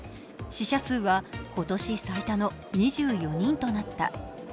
死者数は今年最多の２４人となった。